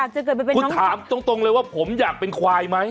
คุณถามตรงเลยว่าผมอยากเป็นควายไหม